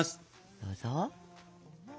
どうぞ。